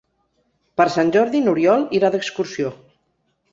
Per Sant Jordi n'Oriol irà d'excursió.